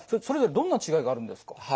それぞれどんな違いがあるんですか？